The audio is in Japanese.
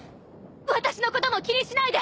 私のことも気にしないで！